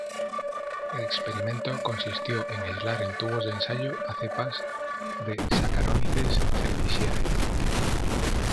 El experimento consistió en aislar en tubos de ensayo a cepas de "Saccharomyces cerevisiae".